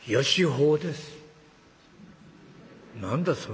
「何だ？